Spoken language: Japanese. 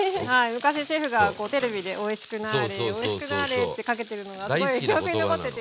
昔シェフがテレビで「おいしくなーれおいしくなーれ」ってかけてるのがすごい記憶に残ってて。